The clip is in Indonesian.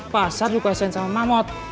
pasar dikasiin sama mamut